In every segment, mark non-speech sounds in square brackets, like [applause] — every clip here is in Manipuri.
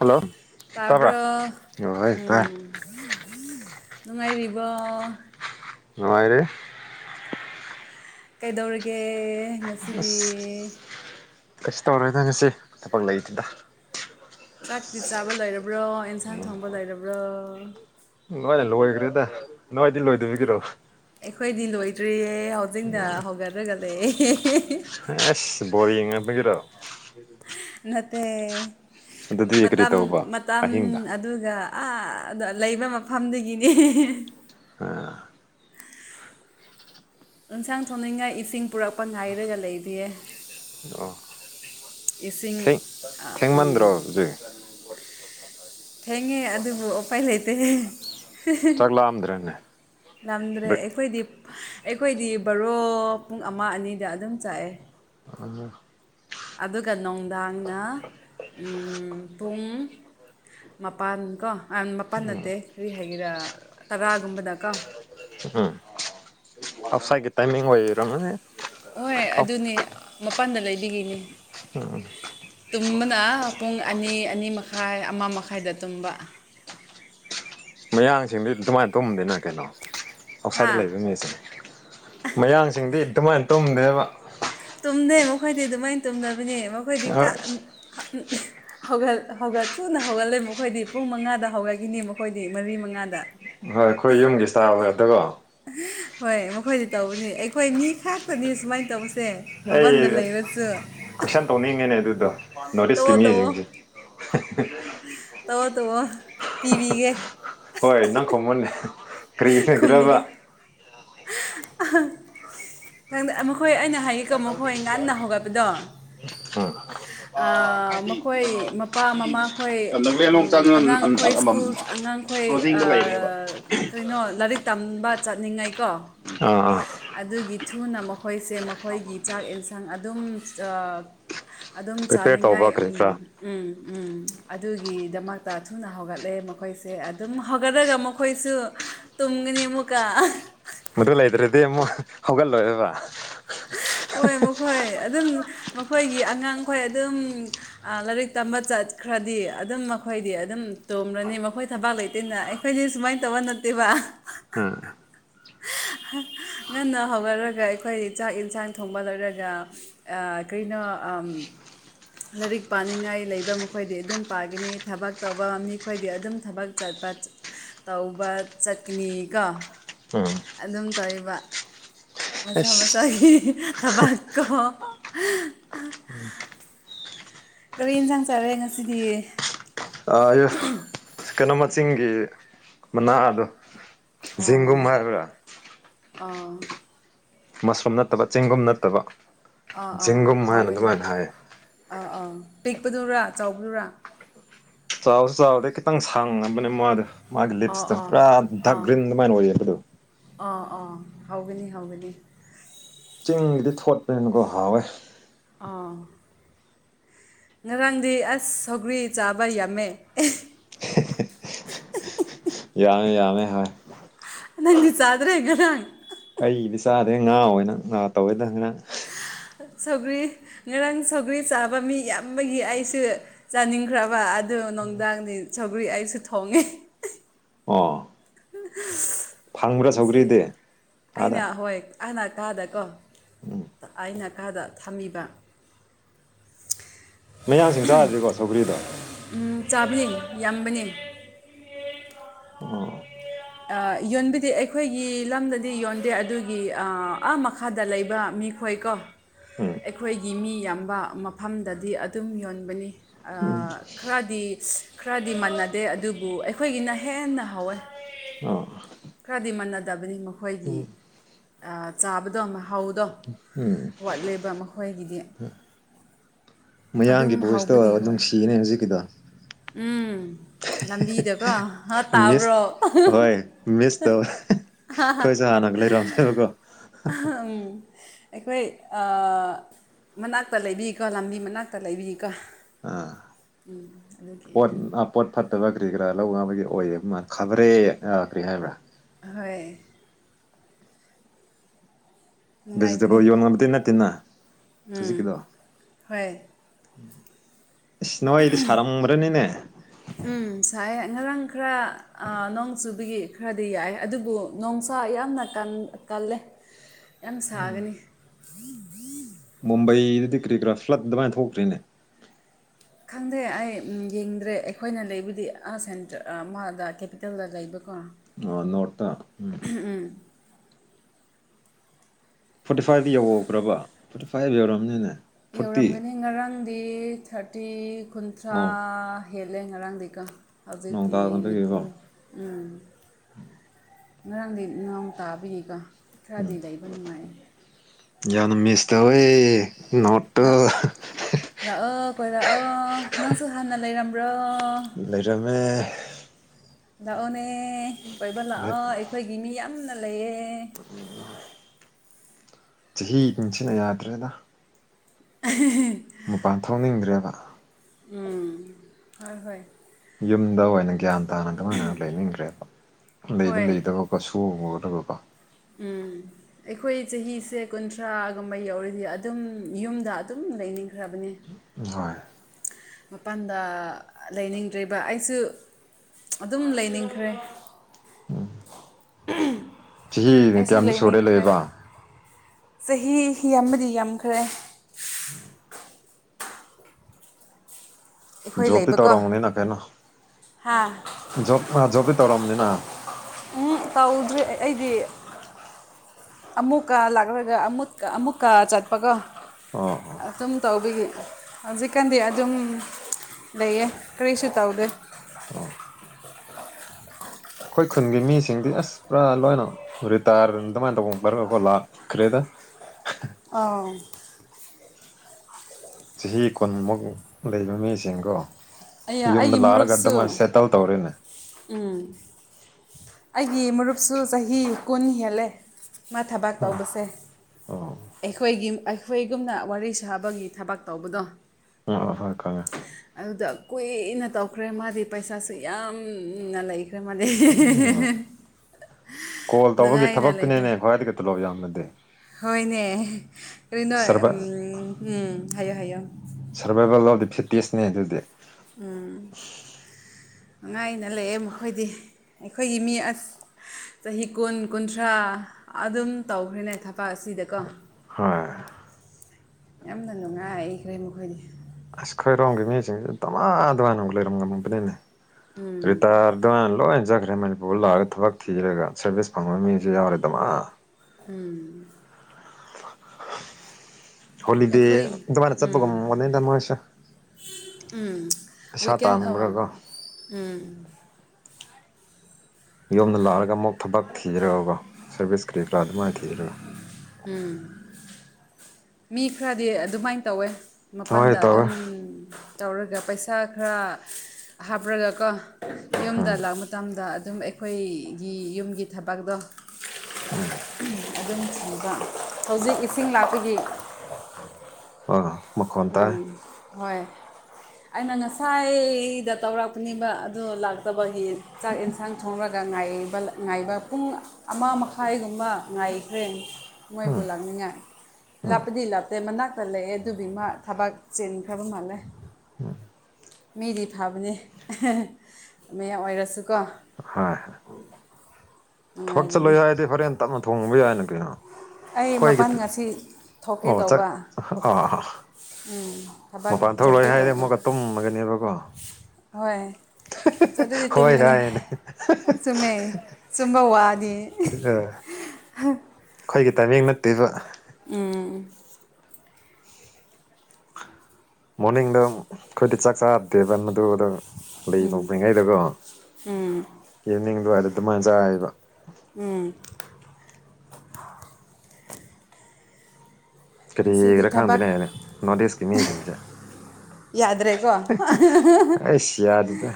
ꯍꯜꯂꯣ ꯇꯥꯕ꯭ꯔꯥ ꯇꯥꯄ ꯍꯣꯏ ꯎꯝ ꯇꯥꯏ ꯅꯨꯡꯉꯥꯏꯔꯤꯕ ꯅꯨꯡꯉꯥꯏꯔꯦ ꯀꯩꯗꯧꯔꯒꯦ ꯉꯁꯤꯗꯤ ꯑꯁ ꯇꯧꯔꯣꯏꯗꯣꯏ ꯉꯁꯤ ꯊꯕꯛ ꯂꯩꯔꯤꯁꯤꯗ ꯆꯥꯛꯇꯤ ꯆꯥꯕ ꯂꯩꯔꯕ꯭ꯔꯣ ꯑꯦꯟꯁꯥꯡ ꯊꯣꯡꯕ ꯂꯩꯔꯕ꯭ꯔꯥ ꯅꯣꯏꯅ ꯂꯣꯏꯈ꯭ꯔꯦꯗ ꯅꯣꯏꯗꯤ ꯂꯣꯏꯗꯣꯏꯕꯤꯒꯤꯔꯣ ꯑꯩꯈꯣꯏꯗꯤ ꯂꯣꯏꯗ꯭ꯔꯤꯌꯦ ꯍꯧꯖꯤꯛꯗ ꯍꯧꯒꯠꯗ꯭ꯔꯒ ꯂꯩ ꯑꯦꯁ ꯕꯣꯔꯒꯤꯔꯣ ꯍ ꯅꯠꯇꯦ ꯀꯔꯤ ꯃꯇꯝ ꯇꯧꯕ ꯃꯇꯝ ꯑꯍꯤꯡꯗ ꯑꯗꯨꯒ ꯑꯗꯣ ꯂꯩꯕ ꯃꯐꯝꯗꯨꯒꯤꯅꯦ ꯑ ꯌꯦꯟꯁꯥꯡ ꯊꯣꯡꯅꯤꯡꯉꯥꯏ ꯏꯁꯤꯡ ꯄꯨꯔꯛꯄ ꯉꯥꯏꯔꯒ ꯂꯩꯔꯤꯌꯦ ꯑ ꯏꯁꯤꯡ ꯎ ꯊꯦꯡꯃꯟꯗ꯭ꯔꯣ ꯍꯧꯖꯤꯛ ꯊꯦꯡꯉꯦ ꯑꯗꯨꯕꯨ ꯎꯄꯥꯏ ꯂꯩꯇꯦ ꯆꯥꯛ ꯂꯥꯝꯗ꯭ꯔꯅꯦ ꯌꯥꯝꯗ꯭ꯔꯦ ꯕ꯭ꯔꯦꯛ ꯑꯩꯈꯣꯏꯗꯤ ꯑꯩꯈꯣꯏꯗꯤ ꯕꯣꯔꯣ ꯄꯨꯡ ꯑꯃ ꯑꯅꯤꯗ ꯑꯗꯨꯝ ꯆꯥꯛꯑꯦ ꯑ ꯑꯗꯨꯒ ꯅꯨꯡꯗꯥꯡꯅ ꯄꯨꯡ ꯃꯄꯥꯟ ꯀꯣ ꯌꯥꯝ ꯃꯄꯥꯟ ꯅꯠꯇꯦ ꯀꯔꯤ ꯍꯥꯏꯒꯦꯔꯥ ꯇꯔꯥꯒꯨꯝꯕꯅꯀꯣ ꯎꯝ ꯑꯐꯁꯥꯏꯒꯤꯦ ꯇꯥꯏꯃꯤ ꯑꯣꯏꯔꯣꯅꯦ ꯍꯣꯏ ꯑꯗꯨꯅꯤ ꯃꯄꯥꯟꯗ ꯂꯩꯕꯤꯒꯤꯅꯤ ꯎꯝ ꯇꯨꯝꯕꯅ ꯄꯨꯡ ꯑꯅꯤ ꯑꯅꯤ ꯃꯈꯥꯏ ꯑꯃ ꯃꯈꯥꯏꯗ ꯇꯨꯝꯕ ꯃꯌꯥꯡꯁꯤꯡꯗꯤ ꯑꯗꯨꯃꯥꯏꯅ ꯇꯨꯝꯝꯗꯅ ꯀꯩꯅꯣ ꯍꯥ ꯑꯥꯎꯠꯁꯥꯏꯗꯠꯇ ꯂꯩꯕ ꯃꯤꯁꯦ ꯃꯌꯥꯡꯁꯤꯡꯗꯤ ꯑꯗꯨꯃꯥꯏꯅ ꯇꯨꯝꯗꯦꯕ ꯇꯨꯝꯗꯦ ꯃꯈꯣꯏꯗꯤ ꯑꯗꯨꯃꯥꯏꯅ ꯇꯨꯝꯗꯕꯅꯦ ꯃꯈꯣꯏꯗꯤ ꯍꯣꯏ ꯊꯨꯅ ꯍꯧꯒꯠꯂꯦ ꯃꯈꯣꯏꯗꯤ ꯄꯨꯡ ꯃꯉꯥꯗ ꯍꯧꯒꯠꯈꯤꯅꯤ ꯃꯈꯣꯏꯗꯤ ꯃꯔꯤ ꯃꯉꯥꯗ ꯍꯣꯏ ꯑꯩꯈꯣꯏ ꯌꯨꯝꯒꯤ ꯁꯥꯥꯕꯈꯗꯣ ꯍꯣꯏ ꯃꯈꯣꯏꯗꯤ ꯇꯧꯕꯅꯤ ꯑꯩꯈꯣꯏ ꯃꯤ ꯈꯥꯛꯇꯅꯤ ꯁꯨꯃꯥꯏꯅ ꯇꯧꯕꯁꯦ ꯃꯄꯥꯟꯗ ꯑꯩ ꯂꯩꯔꯁꯨ ꯀꯣꯏꯁꯟ ꯇꯧꯅꯤꯡꯉꯤꯅꯦ ꯑꯗꯨꯗꯣ ꯅꯣꯔꯠ ꯏꯁꯀꯤ ꯇꯧꯑꯣ ꯇꯧꯑꯣ ꯃꯤꯁꯤꯡꯁꯦ [unintelligible] ꯇꯧꯑꯣ ꯇꯧꯑꯣ ꯄꯤꯕꯤꯒꯦ ꯍꯣꯏ ꯅꯪꯈꯣꯡꯃꯅꯦ ꯀꯔꯤ ꯈꯪꯒ꯭ꯔꯕ ꯑ ꯃꯈꯣꯏ ꯑꯩꯅ ꯍꯥꯏꯒꯀꯣ ꯃꯈꯣꯏ ꯉꯟꯅ ꯍꯧꯒꯠꯄꯗꯣ ꯎꯝ ꯍꯥꯏꯗꯤ ꯃꯈꯣꯏ ꯃꯄꯥ ꯃꯃꯥꯈꯣꯏ ꯅꯥꯒꯥꯂꯦꯟꯂꯣꯝ ꯆꯪꯉ ꯑꯉꯥꯡꯈꯣꯏ ꯁ꯭ꯀꯨꯜꯁ ꯑꯉꯥꯡꯈꯣꯏ ꯍꯧꯖꯤꯡꯗ ꯂꯩꯔꯦꯕ ꯀꯩꯅꯣ ꯂꯥꯏꯔꯤꯛ ꯇꯝꯕ ꯆꯠꯅꯤꯡꯉꯥꯏꯀꯣ ꯑ ꯑ ꯑꯗꯨꯒꯤ ꯊꯨꯅ ꯃꯈꯣꯏꯁꯦ ꯃꯈꯣꯏꯒꯤ ꯆꯥꯛ ꯏꯟꯁꯥꯡ ꯑꯗꯨꯝ ꯑꯗꯨꯝ ꯄ꯭ꯔꯤꯄꯦꯌꯔ ꯇꯧꯕ ꯆꯥꯅꯤꯡꯉꯥꯏ ꯎꯝ ꯀꯔꯤ ꯀꯔꯥ ꯎꯝ ꯑꯗꯨꯒꯤꯗꯃꯛꯇ ꯊꯨꯅ ꯍꯧꯒꯠꯂꯦ ꯃꯈꯣꯏꯁꯦ ꯑꯗꯨꯝ ꯍꯧꯒꯗꯂꯒ ꯃꯈꯣꯏ ꯑꯩꯈꯣꯏꯁꯨ ꯇꯨꯝꯒꯅꯤ ꯑꯃꯨꯛꯀ ꯃꯗꯨ ꯂꯩꯗ꯭ꯔꯗꯤ ꯑꯃꯨꯛ ꯍꯧꯒꯠꯂꯣꯏꯕ ꯍꯣꯏ ꯃꯈꯣꯏ ꯑꯗꯨꯝ ꯃꯈꯣꯏꯒꯤ ꯑꯉꯥꯡꯈꯣꯏ ꯑꯗꯨꯝ ꯂꯥꯏꯔꯤꯛ ꯇꯝꯕ ꯆꯠꯈ꯭ꯔꯗꯤ ꯑꯗꯨꯝ ꯃꯈꯣꯏꯗꯤ ꯑꯗꯨꯝ ꯇꯣ꯭ꯔꯅꯤ ꯃꯈꯣꯏ ꯊꯕꯥꯛ ꯂꯩꯇꯅ ꯑꯩ ꯑꯩꯈꯣꯏꯗꯤ ꯁꯨꯃꯥꯏꯅ ꯇꯧꯕ ꯅꯠꯇꯦꯕ ꯎꯝ ꯉꯟꯅ ꯍꯧꯅꯔꯒ ꯑꯩꯈꯣꯏ ꯆꯥꯛ ꯌꯦꯟꯁꯥꯡ ꯊꯣꯡꯕ ꯂꯣꯏꯔꯒ ꯀꯩꯅꯣ ꯂꯥꯏꯔꯤꯛ ꯄꯥꯅꯤꯡꯉꯥꯏ ꯂꯩꯕ ꯃꯈꯣꯏꯗꯤ ꯑꯗꯨꯝ ꯄꯥꯒꯅꯤ ꯊꯕꯛ ꯇꯧꯕ ꯃꯤꯣꯏꯗꯤ ꯑꯗꯨꯝ ꯊꯕꯛ ꯆꯠ ꯇꯧꯕ ꯆꯠꯅꯤꯒ ꯎꯝ ꯑꯗꯨꯝ ꯇꯧꯔꯤꯕ ꯃꯁꯥ ꯃꯁꯥꯒꯤ ꯊꯕꯥꯛꯀꯣ ꯀꯔꯤ ꯌꯦꯟꯁꯥꯡ ꯆꯥꯔꯦ ꯉꯁꯤꯗꯤ ꯀꯩꯅꯣꯃꯤꯡꯒꯤ ꯃꯅꯥꯗꯣ ꯑꯥꯡ ꯖꯤꯡꯒꯨꯝ ꯍꯥꯏꯕ꯭ꯔꯥ ꯑꯥꯡ ꯃꯁꯔꯨꯝ ꯅꯠꯇꯕ ꯆꯦꯡꯒꯨꯝ ꯅꯠꯇꯕ ꯑꯥ ꯑꯥ ꯖꯦꯡꯒꯨꯝ ꯍꯥꯏꯅ ꯍꯥꯎꯒꯅꯤ ꯑꯗꯨꯃꯥꯏꯅ ꯍꯥꯏꯌꯦ ꯑꯥ ꯑꯥ ꯄꯤꯛꯄꯗꯨꯔꯥ ꯆꯥꯎꯕꯤꯔꯥ ꯆꯥꯎꯁꯨ ꯆꯥꯎꯕꯗꯩ ꯈꯤꯇꯪ ꯁꯥꯡꯉꯕꯅꯦ ꯃꯥꯗ ꯃꯥꯒꯤ ꯑꯥ ꯂꯤꯞꯁꯇꯣ ꯑꯥ ꯄꯨꯔꯥ ꯗꯗꯥꯔꯛ ꯒ꯭ꯔꯤꯟ ꯑꯗꯨꯃꯥꯏꯅ ꯑꯣꯏꯌꯦꯕꯗꯣ ꯑ ꯑ ꯍꯒꯅꯤ ꯍꯥꯎꯒꯅꯤ ꯆꯤꯡꯒꯤꯗꯤ ꯊꯣꯠꯄꯅꯤꯅꯀꯣ ꯍꯥꯎꯋꯦ ꯑꯥ ꯉꯔꯥꯡꯗꯤ ꯑꯁ ꯁꯧꯒ꯭ꯔꯤ ꯆꯥꯕ ꯌꯥꯝꯃꯦ ꯌꯥꯅꯤ ꯌꯥꯅꯤ ꯍꯣꯏ ꯅꯪ ꯆꯗ꯭ꯔꯦ ꯍꯒꯅꯪ ꯑꯩꯗꯤ ꯆꯥꯗꯦ ꯉꯥꯑꯣ ꯅꯪ ꯉꯥ ꯇꯧꯋꯦꯗꯪꯅ ꯁꯧꯒ꯭ꯔꯤ ꯉꯔꯥꯡ ꯁꯧꯒ꯭ꯔꯤ ꯆꯥꯕ ꯃꯤ ꯌꯥꯝꯕꯒꯤ ꯑꯩꯁꯨ ꯆꯥꯅꯤꯡꯈ꯭ꯔꯕ ꯑꯗꯨ ꯅꯨꯡꯗꯥꯡꯅꯤ ꯁꯧꯒ꯭ꯔꯤ ꯑꯩꯁꯨ ꯊꯣꯡꯉꯦ ꯑꯣꯥ [unintelligible] ꯐꯪꯕ꯭ꯔꯥ ꯉꯁꯤ ꯁꯧꯒ꯭ꯔꯤꯗꯤ ꯑꯗ ꯑꯩꯅ ꯍꯣꯏ ꯑꯅꯥ ꯀꯥꯗꯀꯣ ꯎꯝ ꯑꯩꯅ ꯀꯥꯗ ꯊꯝꯕꯤꯕ ꯃꯌꯥꯝꯁꯤꯡ ꯆꯥꯔꯗꯤꯀꯣ ꯁꯧꯀ꯭ꯔꯤꯗꯣ ꯎ ꯆꯥꯕꯅꯦ ꯌꯥꯝꯕꯅꯦ ꯑꯗꯨꯒ ꯌꯣꯟꯕꯗꯤ ꯑꯩꯈꯣꯏꯒꯤ ꯂꯝꯗꯗꯤ ꯌꯣꯟꯗꯦ ꯑꯗꯨꯒꯤ ꯑ ꯃꯈꯥꯗ ꯂꯩꯕ ꯃꯤ ꯍꯣꯏꯀꯣ ꯎꯝ ꯑꯩꯈꯣꯏꯒꯤ ꯃꯤ ꯌꯥꯝꯕ ꯃꯐꯝꯗꯗꯤ ꯑꯗꯨꯝ ꯌꯣꯟꯕꯅꯤ ꯑ ꯎꯝ ꯈꯔꯗꯤ ꯈꯔꯗꯤ ꯃꯥꯟꯅꯗꯦ ꯑꯗꯨꯕꯨ ꯑꯩꯈꯣꯏꯒꯤꯅ ꯍꯦꯟꯅ ꯍꯥꯎꯋꯦ ꯑꯣꯥ ꯈꯔꯗꯤ ꯃꯅꯥꯗꯕꯅꯤ ꯃꯈꯣꯏꯒꯤ ꯑ ꯆꯥꯕꯗꯣ ꯃꯍꯥꯎꯗꯣ ꯎꯝ ꯋꯥꯠꯂꯦꯕ ꯃꯈꯣꯏꯒꯤꯗꯤ ꯃꯌꯥꯡꯒꯤ ꯑꯗꯨꯝ ꯚꯣꯏꯁꯇꯣ ꯍꯥꯎꯕꯗꯤ ꯍꯣꯏ ꯅꯨꯡꯁꯤꯅꯦ ꯍꯧꯖꯤꯛꯀꯤꯗꯣ ꯎꯝ ꯂꯝꯕꯤꯗꯀꯣ ꯍꯥ ꯃꯤꯁ ꯇꯥꯕ꯭ꯔꯣ ꯈꯣꯏ ꯆꯥꯅꯒ ꯂꯩꯔꯝꯗꯦꯕꯒꯣ ꯑ ꯎꯝ ꯑꯩꯈꯣꯏ ꯑ ꯃꯅꯥꯛꯇ ꯂꯩꯕꯤꯀꯣ ꯂꯝꯕꯤ ꯃꯅꯥꯛꯇ ꯂꯩꯕꯤꯀꯣ ꯑꯥ ꯎꯝ ꯄꯣꯠ ꯑ ꯄꯣꯠ ꯐꯠꯇꯕ ꯀ꯭ꯔꯤ ꯀꯔꯥ ꯂꯧꯅꯕꯒꯤ ꯑꯣꯏꯌꯦꯕ ꯃꯥ ꯈꯥꯕꯔꯦ ꯑ ꯀꯔꯤ ꯍꯥꯏꯕ꯭ꯔꯥ ꯍꯣꯏ ꯅꯨꯡꯉꯥꯏꯕꯅꯤ ꯚꯦꯖꯤꯇꯦꯕꯜ ꯌꯣꯟꯉꯝꯕꯗꯤ ꯅꯠꯇꯦꯅ ꯎꯝ ꯍꯧꯖꯤꯛꯀꯤꯗꯣ ꯍꯣꯏ ꯏꯁ ꯅꯣꯏꯗꯤ ꯁꯥꯔꯝꯒꯔꯅꯤꯅꯦ ꯎꯝ ꯁꯥꯏꯌꯦ ꯉꯔꯥꯡ ꯈꯔ ꯑ ꯅꯣꯡ ꯆꯨꯕꯒꯤ ꯈꯔꯗꯤ ꯌꯥꯏ ꯑꯗꯨꯕꯨ ꯅꯣꯡꯁꯥ ꯌꯥꯝꯅ ꯀꯜ ꯀꯜꯂꯦ [inaudible] ꯌꯥꯝ ꯁꯥꯒꯅꯤ ꯃꯨꯝꯕꯩꯗꯗꯤ ꯀꯔꯤ ꯀꯔꯥ ꯐ꯭ꯂꯠ ꯑꯗꯨꯃꯥꯏꯅ ꯊꯣꯛꯇ꯭ꯔꯤꯅꯦ ꯈꯪꯗꯦ ꯑꯩ ꯎꯝ ꯌꯦꯡꯗ꯭ꯔꯦ ꯑꯩꯈꯣꯏꯅ ꯂꯩꯕꯗꯤ ꯑ ꯁꯦꯟꯇ ꯑ ꯃꯥꯗ ꯀꯦꯄꯤꯇꯦꯜꯗ ꯂꯩꯕꯀꯣ ꯑꯣ ꯅꯣꯠꯇ ꯎꯝ ꯎꯝ ꯐꯣꯔꯇꯤ ꯐꯥꯏꯚ ꯌꯧꯒꯔꯕ ꯐꯣꯔꯇꯤ ꯐꯥꯏꯚ ꯌꯧꯔꯝꯅꯤꯅꯦ ꯐꯣꯔꯇꯤ ꯌꯧꯔꯝꯒꯅꯤ ꯉꯔꯥꯡꯗꯤ ꯊꯥꯔꯇꯤ ꯀꯨꯟꯊ꯭ꯔꯥ ꯑꯣ ꯍꯦꯜꯂꯦ ꯉꯔꯥꯡꯗꯤꯀꯣ ꯅꯣꯡ ꯍꯧꯖꯤꯛꯇꯤ ꯅꯤꯐꯨ ꯇꯥꯒꯗꯒꯤꯀꯣ ꯎꯝ ꯉꯔꯥꯡꯗꯤ ꯅ‌ꯣꯡ ꯇꯥꯕꯒꯤꯀꯣ ꯈꯔꯗꯤ ꯂꯩꯕ ꯅꯨꯡꯉꯥꯏꯌꯦ ꯌꯥꯟꯅ ꯃꯤꯁ ꯇꯧꯌꯦ ꯅꯣꯠꯇ ꯂꯥꯛ ꯂꯥꯛꯑꯣ ꯀꯣꯏꯔꯛꯑꯣ ꯅꯪꯁꯨ ꯍꯥꯟꯅ ꯂꯩꯔꯝꯕ꯭ꯔꯣ ꯂꯩꯔꯝꯃꯦ ꯂꯥꯛꯑꯣꯅꯦ ꯀꯣꯏꯕ ꯂꯥꯛꯑꯣ ꯑꯩꯈꯣꯏꯒꯤ ꯃꯤ ꯌꯥꯝꯅ ꯂꯩꯌꯦ [unintelligible] ꯆꯍꯤ ꯀꯨꯝꯁꯤꯅ ꯌꯥꯗ꯭ꯔꯦꯗ [unintelligible] ꯃꯄꯥꯟ ꯊꯣꯛꯅꯤꯡꯗ꯭ꯔꯦꯕ ꯎꯝ ꯍꯣꯏ ꯍꯣꯏ ꯌꯨꯝꯗ ꯑꯣꯏꯅ ꯒ꯭ꯌꯥꯟ ꯇꯥꯅ ꯀꯃꯥꯏꯅ ꯂꯩꯅꯤꯡꯈ꯭ꯔꯦꯕ ꯂꯩꯕ ꯍꯣꯏ ꯂꯩꯇꯕ ꯁꯨꯔꯒꯀꯣ ꯎꯝ ꯑꯩꯈꯣꯏ ꯆꯍꯤꯁꯦ ꯀꯨꯟꯊ꯭ꯔꯥꯒꯨꯝꯕ ꯌꯧꯔꯗꯤ ꯑꯗꯨꯝ ꯌꯨꯝꯗ ꯑꯗꯨꯝ ꯂꯩꯅꯤꯡꯈ꯭ꯔꯕꯅꯦ ꯍꯣꯏ ꯃꯄꯥꯟꯗ ꯂꯩꯅꯤꯡꯗ꯭ꯔꯦꯕ ꯑꯩꯁꯨ ꯑꯗꯨꯝ ꯂꯩꯅꯤꯡꯈ꯭ꯔꯦ ꯎꯝ ꯎꯝ ꯆꯍꯤ ꯀꯌꯥꯝꯗꯤ ꯁꯨꯔꯦ ꯂꯩꯕ ꯆꯍꯤ ꯌꯥꯝꯕꯗꯤ ꯌꯥꯝꯈ꯭ꯔꯦ ꯑꯩꯈꯣꯏ ꯖꯣꯕꯇꯤ ꯂꯩꯕꯀꯣ ꯇꯧꯔꯝꯕꯅꯤꯅ ꯀꯩꯅꯣ ꯍꯥ ꯖꯣ ꯑ ꯖꯣꯇꯤ ꯇꯧꯔꯝꯕꯅꯤꯅ ꯎꯝ ꯇꯧꯗ꯭ꯔꯦ ꯑꯩꯗꯤ ꯑꯃꯨꯛꯀ ꯂꯥꯛꯂꯒ ꯑꯃꯨꯛꯀ ꯑꯃꯨꯛꯀ ꯆꯠꯄꯒ ꯑꯣ ꯑꯣ ꯑꯗꯨꯝ ꯇꯧꯕꯤꯒꯤ ꯍꯧꯖꯤꯛꯀꯥꯟꯗꯤ ꯑꯗꯨꯝ ꯂꯩꯌꯦ ꯀꯔꯤꯁꯨ ꯇꯧꯗꯦ ꯑ ꯑꯩꯈꯣꯏ ꯈꯨꯟꯒꯤ ꯃꯤꯁꯤꯡꯗꯤ ꯑꯁ ꯄꯨꯔꯥ ꯂꯣꯏꯅ ꯔꯤꯇꯥꯌꯔ ꯑꯗꯨꯃꯥꯏꯅ ꯇꯧꯕ ꯃꯔꯔꯒꯀꯣ ꯂꯥꯛꯈ꯭ꯔꯦꯗ ꯑꯥ ꯆꯍꯤ ꯀꯨꯟꯃꯨꯛ ꯂꯩꯕ ꯃꯤꯁꯤꯡꯗꯣ ꯑꯩ ꯑꯩꯒꯤ ꯌꯨꯝꯗ ꯃꯔꯨꯞꯁꯨ ꯂꯥꯔꯒꯗ ꯃꯥꯣꯏ ꯁꯦꯇꯜ ꯇꯧꯔꯤꯅꯦ ꯎꯝ ꯑꯩꯒꯤ ꯃꯔꯨꯞꯁꯨ ꯆꯍꯤ ꯀꯨꯟ ꯍꯦꯜꯂꯦ ꯃꯥ ꯊꯕꯥꯛ ꯎꯝ ꯇꯧꯕꯁꯦ ꯑꯣ ꯎꯝ ꯑꯩꯈꯣꯏꯒꯤ ꯑꯩꯈꯣꯏꯒꯨꯝꯅ ꯋꯥꯔꯤ ꯁꯥꯕꯒꯤ ꯊꯕꯛ ꯇꯧꯕꯗꯣ ꯑ ꯑ ꯍꯣꯏ ꯈꯪꯉꯦ ꯑꯗꯨꯗ ꯀꯨꯏꯅ ꯇꯧꯈ꯭ꯔꯦ ꯃꯥꯗꯤ ꯄꯩꯁꯥꯁꯨ ꯌꯥꯝꯅ ꯂꯩꯈ꯭ꯔꯦ ꯇꯔ ꯃꯅꯤ ꯎꯝ ꯀꯣꯜ ꯇꯧꯕꯒꯤ ꯊꯕꯛꯇꯨꯅꯦꯅꯦ ꯈ꯭ꯋꯥꯏꯗꯒ ꯇꯣꯂꯣꯞ ꯌꯥꯝꯅꯗꯦ ꯍꯅꯦ ꯀꯅ ꯁꯔꯚꯥꯏ ꯎꯝ ꯎꯝ ꯍꯥꯏꯌꯣ ꯍꯥꯏꯌꯣ ꯁꯔꯕꯥꯏꯕꯦꯜ ꯌꯥꯥꯎꯗꯤ ꯐꯤꯠꯇꯦꯤꯁꯅꯦ ꯑꯗꯨꯗꯤ ꯎꯝ ꯉꯥꯏꯅ ꯂꯩꯑꯦ ꯃꯈꯣꯏꯗꯤ ꯑꯩꯈꯣꯏꯒꯤ ꯃꯤ ꯆꯍꯤ ꯀꯨꯟ ꯀꯨꯟꯊ꯭ꯔꯥ ꯑꯗꯨꯝ ꯇꯧꯈ꯭ꯔꯦꯅꯦ ꯊꯕ ꯑꯁꯤꯗꯀꯣ ꯍꯣꯏ ꯌꯥꯝꯅ ꯅꯨꯡꯉꯥꯏꯈ꯭ꯔꯦ ꯃꯈꯣꯏꯗꯤ ꯑꯁ ꯈꯈꯣꯏꯔꯣꯝꯒꯤ ꯃꯤꯁꯤꯡꯁꯤꯦ ꯇꯉꯥꯟ ꯑꯗꯨꯉꯥꯟꯅ ꯑꯃꯨꯛ ꯂꯩꯔꯝ ꯉꯝꯕꯅꯤꯅꯦ ꯔꯤꯇꯥꯔ ꯎꯝ ꯑꯗꯨꯃꯥꯏꯅ ꯂꯣꯏ ꯆꯠꯈ꯭ꯔꯦ ꯃꯅꯤꯄꯨꯔꯕꯨ ꯂꯥꯛꯑꯒ ꯊꯕꯛ ꯊꯤꯈꯔꯒ ꯁꯔꯚꯤꯁꯁ ꯐꯪꯕ ꯃꯤꯁꯦ ꯌꯥꯎꯔꯦꯗꯃꯥ ꯎꯝ ꯍꯣꯂꯤꯗꯦ ꯑꯩꯈꯣꯏ ꯑꯗꯨꯃꯥꯏꯅ ꯎꯝ ꯆꯠꯄꯒꯨꯝꯒꯗ ꯇꯃꯣꯁ ꯎꯝ ꯤ ꯀꯦꯟ ꯎꯝ ꯇꯥꯟꯕ꯭ꯔꯒ ꯌꯣꯝꯗ ꯂꯥꯛꯑꯒ ꯑꯃꯨꯛ ꯊꯕꯛ ꯊꯤꯔꯒꯀꯣ ꯁꯔꯚꯤꯁꯁ ꯀꯔꯤ ꯀꯔꯥ ꯑꯗꯨꯃꯥꯏꯅ ꯊꯤꯔꯒ ꯎꯝ ꯃꯤ ꯈꯔꯗꯤ ꯑꯗꯨꯃꯥꯏꯅ ꯇꯧꯋꯦ ꯍꯣꯏ ꯃꯄꯜꯗ ꯇꯧꯋꯦ ꯑꯗꯨꯝ ꯇꯧꯔꯒ ꯄꯩꯁꯥ ꯈꯔ ꯍꯥꯞꯔꯒꯀꯣ ꯌꯨꯝꯗ ꯎꯝ ꯂꯥꯛ ꯃꯇꯝꯗ ꯑꯗꯨꯝ ꯑꯩꯈꯣꯏꯒꯤ ꯌꯨꯝꯒꯤ ꯊꯕꯇꯣ ꯎꯝ ꯑꯗꯨꯝꯕ ꯍꯧꯖꯤꯛ ꯏꯁꯤꯡ ꯂꯥꯛꯄꯒꯤ ꯑ ꯃꯈꯀ ꯎꯝ ꯍꯣꯏ ꯑꯩꯅ ꯉꯁꯥꯏꯗ ꯇꯧꯔꯛꯄꯅꯤꯕ ꯑꯗꯨ ꯂꯥꯛꯇꯕꯒꯤ ꯆꯥꯛ ꯌꯦꯟꯁꯥꯡ ꯊꯣꯡꯡꯂꯒ ꯉꯥꯏꯕ ꯄꯨꯡ ꯑꯃ ꯃꯈꯥꯏꯒꯨꯝꯕ ꯉꯥꯏꯈ꯭ꯔꯦ ꯃꯣꯏꯕꯨ ꯎꯝ ꯂꯥꯛꯅꯤꯡꯉꯥꯏ ꯎꯝ ꯂꯥꯞꯄꯗꯤ ꯂꯥꯞꯇꯦ ꯃꯅꯥꯛꯇ ꯂꯩꯑꯦ ꯑꯗꯨꯒꯤ ꯃꯥ ꯊꯕꯥꯛ ꯆꯔꯤ ꯐꯕ ꯃꯂ ꯎꯝ ꯃꯤꯗꯤ ꯐꯕꯅꯦ ꯃꯌꯥꯝ ꯑꯣꯏꯔꯁ ꯍꯥꯏ ꯊꯕꯛ ꯅꯨꯡꯉꯥꯏꯒꯅꯤ ꯆꯠꯂꯣꯏ ꯍꯥꯏꯔꯗꯤ ꯍꯣꯔꯦꯟ ꯇꯞꯅ ꯊꯣꯡꯕ ꯌꯥꯏꯅ ꯀꯩꯅꯣ ꯑꯩ ꯃꯄꯥꯟ ꯈꯣꯏꯒꯤꯇꯠ ꯉꯁꯤ ꯊꯣꯛꯀꯦ ꯑꯣ ꯆꯛ ꯇꯧꯕ ꯑꯥ ꯑꯥ ꯎꯝ ꯃꯄꯥꯟ ꯊꯣꯛꯂꯣꯏ ꯆꯠꯀꯦ ꯍꯥꯏꯔꯗꯤ ꯇꯧꯕ ꯑꯃꯨꯛꯀ ꯇꯨꯝꯃꯒꯅꯦꯕꯀꯣ ꯍꯣꯏ ꯆꯗꯨꯗꯤ ꯍꯣꯏ ꯇꯨꯝꯒꯅꯤ ꯍꯥꯏꯅꯦ ꯆꯨꯝꯃꯦ ꯆꯨꯝꯕ ꯋꯥꯗꯤ ꯑ ꯑꯩꯒꯤ ꯇꯥꯏꯃꯦꯡ ꯅꯠꯇꯦꯕ ꯎꯝ ꯃꯣꯔꯅꯤꯡꯗ ꯑꯩꯈꯣꯏꯗꯤ ꯆꯥꯛ ꯆꯥꯗꯦꯕ ꯃꯗꯨ ꯑꯗꯣ ꯂꯩ ꯃꯣꯛꯗ꯭ꯔꯤꯉꯩꯗꯀꯣ ꯎꯝ ꯌꯦꯅꯤꯡꯗꯣ ꯑꯗꯨꯗꯨꯃꯥꯏꯅ ꯆꯥꯏꯑꯕ ꯎꯝ ꯉꯁꯤꯗꯤ ꯀꯔꯤꯒꯤꯔꯥ ꯊꯕꯛ ꯈꯪꯗꯦꯅꯦꯅꯦ ꯅꯣꯔ꯭ꯠ ꯏꯁꯀꯤ ꯃꯤꯖꯤꯡꯖꯦ ꯌꯥꯗ꯭ꯔꯦꯀꯣ ꯑꯩꯁ ꯌꯥꯗꯦꯗ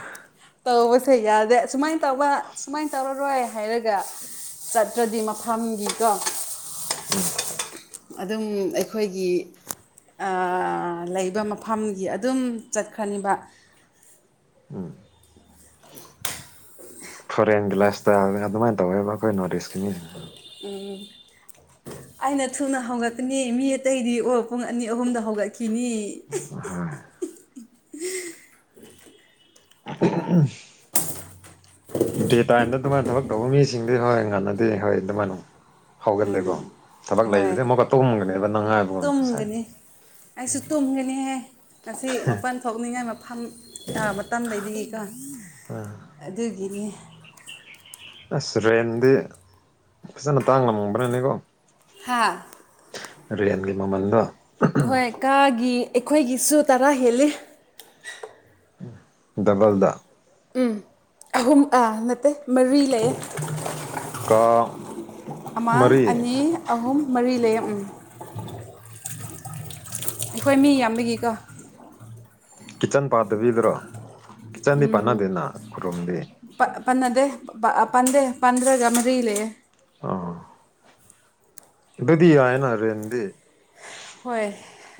ꯇꯧꯕꯁꯦ ꯌꯥꯗꯦ ꯁꯨꯃꯥꯏ ꯇꯧꯕ ꯁꯨꯃꯥꯏ ꯇꯧꯔꯔꯣꯏ ꯍꯥꯏꯔꯒ ꯆꯠꯇ꯭ꯔꯗꯤ ꯃꯐꯝꯒꯤꯀꯣ ꯎꯝ ꯑꯗꯨꯝ ꯑꯩꯈꯣꯏꯒꯤ ꯑꯥ ꯂꯩꯕ ꯃꯐꯝꯒꯤ ꯑꯗꯨꯝ ꯆꯠꯈ꯭ꯔꯅꯤꯕ ꯎꯝ ꯐꯣꯔꯦꯟꯒꯤ ꯂꯥꯏꯐ ꯁ꯭ꯇꯥꯏꯜ ꯑꯗꯨꯃꯥꯏ ‌ꯇꯧꯋꯦꯕ ꯑꯩꯈꯣꯏ ꯅꯣꯔ꯭ꯠ ꯏꯁꯀꯤ ꯃꯤꯁꯤꯡꯖꯦ ꯎꯝ ꯑꯩꯅ ꯊꯨꯅ ꯍꯧꯒꯠꯀꯅꯤ ꯃꯤ ꯑꯇꯩꯗꯤ ꯑꯣ ꯄꯨꯡ ꯑꯅꯤ ꯑꯍꯨꯝꯗ ꯍꯧꯒꯠꯈꯤꯅꯤ ꯑꯍꯣꯏ ꯗꯦ ꯇꯥꯏ꯭ꯝꯗ ꯑꯗꯨꯃꯥꯏ ꯊꯕꯛ ꯇꯧꯕ ꯃꯤꯁꯤꯡꯗꯤ ꯍꯣꯏ ꯉꯟꯅ ꯗꯦ ꯍꯣꯏ ꯑꯗꯨꯃꯥꯏꯅꯣ ꯍꯧꯒꯠꯂꯦꯀꯣ ꯊꯕꯛ ꯍꯣꯏ ꯂꯩꯕꯗꯤ ꯑꯃꯨꯛꯀ ꯇꯨꯝꯒꯅꯦꯕ ꯅꯪꯉꯥꯏꯕꯒꯨꯝꯅ ꯁꯥꯏ ꯇꯨꯝꯒꯅꯤ ꯑꯩꯁꯨ ꯇꯨꯝꯒꯅꯤꯍꯦ ꯉꯁꯤ ꯃꯄꯟ ꯊꯣꯛꯅꯤꯡꯉꯥꯏ ꯃꯐꯝ ꯑ ꯃꯇꯝ ꯂꯩꯕꯒꯤꯀꯣ ꯑꯗꯨꯒꯤꯅꯤ ꯑꯁ ꯔꯦꯟꯗꯤ ꯐꯖꯅ ꯇꯥꯡꯂꯝꯕ꯭ꯔꯅꯤꯀꯣ ꯍꯥꯥ ꯔꯦꯜꯒꯤ ꯃꯃꯜꯗꯣ ꯍꯣꯏ ꯀꯥꯒꯤ ꯑꯩꯈꯣꯏꯒꯤꯁꯨ ꯇꯔꯥ ꯍꯦꯜꯂꯤ ꯗꯕꯜꯗ ꯎꯝ ꯑꯍꯨꯝ ꯑꯥ ꯅꯠꯇꯦ ꯃꯔꯤ ꯂꯩꯌꯦ ꯀꯥ ꯑꯃꯥ ꯃꯔꯤ ꯑꯅꯤ ꯑꯍꯨꯝ ꯃꯔꯤ ꯂꯩꯌꯦ ꯎꯝ ꯑꯩꯈꯣꯏ ꯃꯤ ꯌꯥꯝꯕꯒꯤꯀꯣ ꯀꯤꯠꯆꯟ ꯄꯥꯗꯕꯤꯗꯔꯣ ꯀꯤꯠꯆꯟꯗꯤ ꯄꯥꯅꯗꯦꯅ ꯈꯨꯔꯨꯝꯗꯤ ꯄꯠ ꯄꯟꯅꯗꯦ ꯄ ꯄꯥꯟꯗꯦ ꯄꯥꯟꯗ꯭ꯔꯒ ꯃꯔꯤ ꯂꯩꯌꯦ ꯑꯥ ꯑꯗꯨꯗꯤ ꯌꯥꯏꯑꯦꯅ ꯔꯦꯟꯗꯤ ꯍꯣꯏ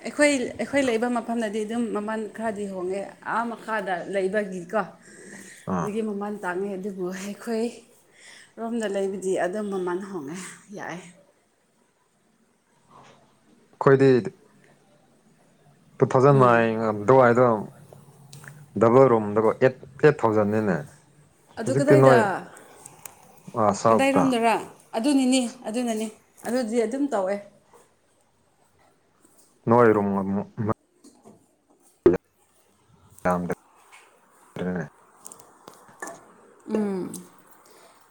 ꯑꯩꯈꯣꯏ ꯑꯩꯈꯣꯏ ꯂꯩꯕ ꯃꯐꯝꯗꯗꯤ ꯑꯗꯨꯝ ꯃꯃꯜ ꯈꯔꯗꯤ ꯍꯣꯡꯉꯦ ꯑꯥ ꯃꯈꯥꯗ ꯂꯩꯕꯒꯤꯀꯣ ꯑꯥ ꯑꯗꯨꯒꯤ ꯃꯃꯜ ꯇꯥꯡꯉꯦ ꯑꯗꯨꯕꯨ ꯑꯩꯈꯣꯏ ꯔꯣꯝꯗ ꯂꯩꯕꯗꯤ ꯑꯗꯨꯝ ꯃꯃꯟ ꯍꯣꯡꯉꯦ ꯌꯥꯏꯑꯦ ꯑꯩꯈꯣꯏꯗꯤꯠ ꯇꯨ ꯊꯥꯎꯖꯟ ꯅꯥꯏꯡ ꯑꯗꯨꯋꯥꯏꯗꯣ ꯗꯕꯜ ꯔꯨꯝꯗꯀꯣ ꯑꯩꯠ ꯑꯩꯠ ꯊꯥꯎꯖꯟꯅꯤꯅꯦ ꯑꯗꯨ ꯍꯧꯖꯤꯛꯇꯤ ꯅꯣꯏ ꯀꯗꯥꯏꯗ ꯑꯥ ꯁꯥꯎꯠꯇ ꯀꯗꯥꯏꯔꯣꯝꯗꯔꯥ ꯑꯗꯨꯅꯤꯅꯤ ꯑꯗꯨꯅꯅꯤ ꯑꯗꯨꯗꯤ ꯑꯗꯨꯝ ꯇꯧꯋꯦ ꯅꯣꯏꯔꯣꯝ [unintelligible] [inaudible] ꯎꯝ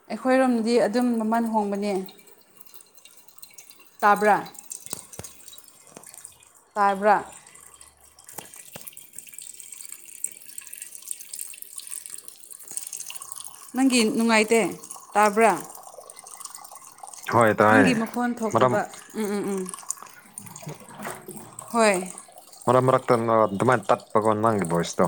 ꯑꯩꯈꯣꯏꯔꯣꯝꯗꯗꯤ ꯑꯗꯨꯝ ꯃꯃꯜ ꯍꯣꯡꯕꯅꯦ ꯇꯥꯕ꯭ꯔꯥ ꯇꯥꯏꯕ꯭ꯔꯥ ꯅꯪꯒꯤ ꯅꯨꯡꯉꯥꯏꯇꯦ ꯇꯥꯕ꯭ꯔꯥ ꯍꯣꯏ ꯇꯥꯏ ꯅꯪꯒꯤ ꯃꯈꯣꯟ ꯃꯔꯝ ꯊꯣꯛꯇꯕ ꯎꯝ ꯎꯝ ꯎꯝ ꯍꯣꯏ ꯃꯔꯛ ꯃꯔꯛꯇꯅ ꯗꯨꯃꯥꯏꯟ ꯇꯠꯄꯀꯣ ꯅꯪꯒꯤ ꯕꯣꯏꯁꯇꯣ